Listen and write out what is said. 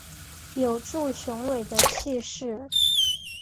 有著雄伟的气势